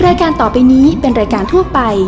รายการต่อไปนี้เป็นรายการทั่วไป